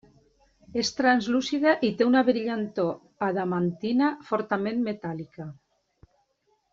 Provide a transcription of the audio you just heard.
És translúcida i té una brillantor adamantina, fortament metàl·lica.